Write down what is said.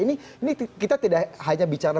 ini kita tidak hanya bicara